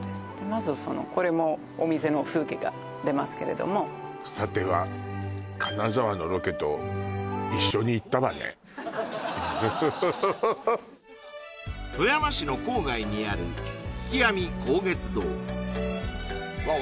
まずこれもお店の風景が出ますけれどもさては金沢のロケと富山市の郊外にあるわっ